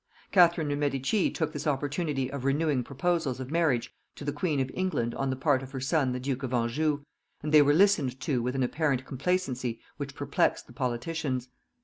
Catherine de' Medici took this opportunity of renewing proposals of marriage to the queen of England on the part of her son the duke of Anjou, and they were listened to with an apparent complacency which perplexed the politicians.